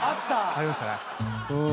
ありましたね。